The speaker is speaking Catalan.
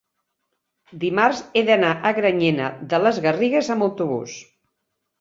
dimarts he d'anar a Granyena de les Garrigues amb autobús.